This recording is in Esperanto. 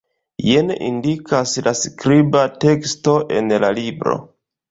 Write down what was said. Jen indikas la skriba teksto en la libro.